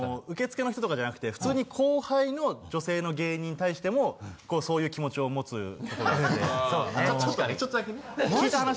受付の人とかじゃなくて普通に後輩の女性の芸人に対してもそういう気持ちを持つとこがあって。